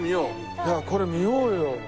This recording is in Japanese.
いやこれ見ようよ。